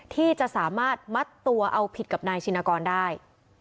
ที่จะสามารถมัดตัวเอาผิดกับนายชินกรได้